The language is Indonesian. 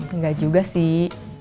enggak juga sih